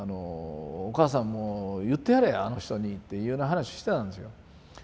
「お母さんも言ってやれあの人に」っていうような話してたんですよ。